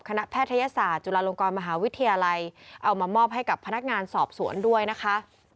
แพทยศาสตร์จุฬาลงกรมหาวิทยาลัยเอามามอบให้กับพนักงานสอบสวนด้วยนะคะ